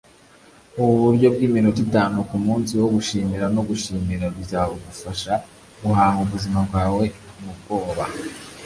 ubu buryo bw'iminota itanu ku munsi bwo gushimira no gushimira bizagufasha guhanga ubuzima bwawe mu bwoba